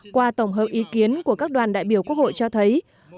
qua tổng hợp ý kiến của các đoàn đại biểu quốc hội cho thấy